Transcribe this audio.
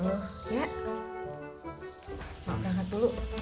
ma udang hat dulu